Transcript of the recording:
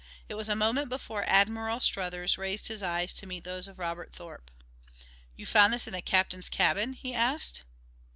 It was a moment before Admiral Struthers raised his eyes to meet those of Robert Thorpe. "You found this in the captain's cabin?" he asked.